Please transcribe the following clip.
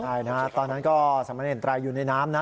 ใช่นะฮะตอนนั้นก็สามเนรไตรอยู่ในน้ำนะ